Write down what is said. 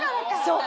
そう。